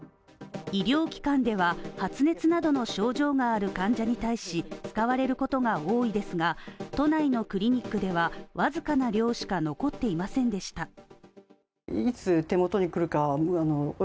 医療機関では、発熱などの症状がある患者に対し使われることが多いですが都内のクリニックでは僅かな量しか残っていませんでした。